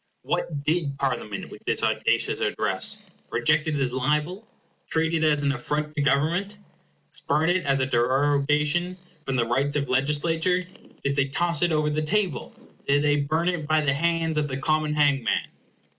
What did Parliament with this audacious address?—Reject it as a libel? Treat it as an affront to Government? Spurn it as a derogation from the rights of legislature? Did they toss it over the table? Did they burn it by the hands of the common hangman?